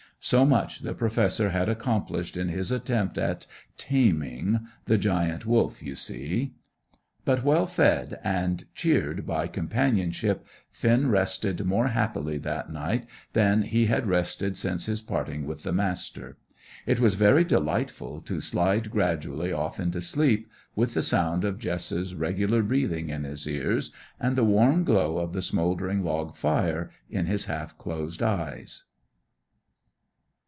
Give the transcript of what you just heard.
So much the Professor had accomplished in his attempt at "taming" the "Giant Wolf," you see. But, well fed, and cheered by companionship, Finn rested more happily that night than he had rested since his parting with the Master. It was very delightful to slide gradually off into sleep, with the sound of Jess's regular breathing in his ears, and the warm glow of the smouldering log fire in his half closed eyes.